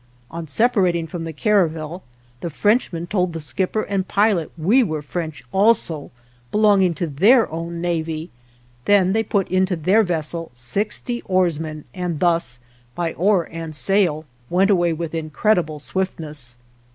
On separating from the caravel the French man told the skipper and pilot we were French also, belonging to their own navy; then they put into their vessel sixty oars men, and thus, by oar and sail, went away with incredible swiftness.